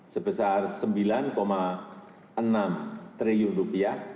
sebesar rp sembilan enam triliun